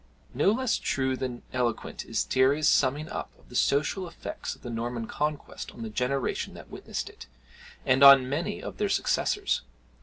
No less true than eloquent is Thierry's summing up of the social effects of the Norman Conquest on the generation that witnessed it, and on many of their successors.